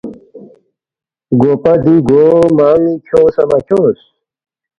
گوپا دی گو مان٘ی کھیونگسا مہ کھیونگس؟